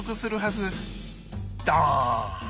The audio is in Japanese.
どん！